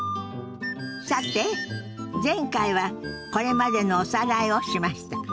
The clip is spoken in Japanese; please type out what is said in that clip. さて前回はこれまでのおさらいをしました。